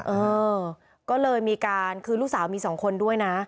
เออก็เลยมีการคือลูกสาวมีสองคนด้วยนะ